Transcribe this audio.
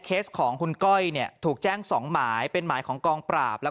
ของคุณก้อยเนี่ยถูกแจ้ง๒หมายเป็นหมายของกองปราบแล้ว